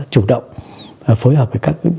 chủ động phối hợp với các